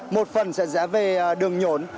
một phần sẽ rẽ về đường nhổn